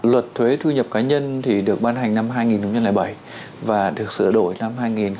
luật thuế thu nhập cá nhân được ban hành năm hai nghìn bảy và được sửa đổi năm hai nghìn một mươi bảy